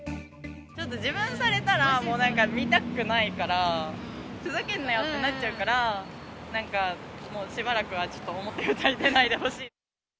ちょっと自分がされたら、もう見たくないから、ふざけんなよってなっちゃうから、なんか、もうしばらくはちょっと、表舞台に出ないでほしい。